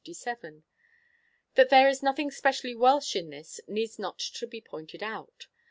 That there is nothing specially Welsh in this, needs not to be pointed out.